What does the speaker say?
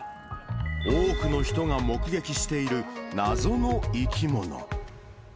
多くの人が目撃している、謎の生き物。